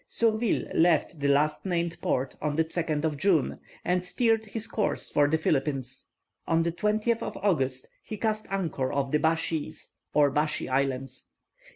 Surville left the last named port on the 2nd of June, and steered his course for the Philippines. On the 20th of August, he cast anchor off the Bashees, or Baschy Islands.